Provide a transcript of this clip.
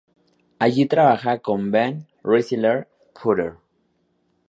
Allí trabaja con Van Rensselaer Potter.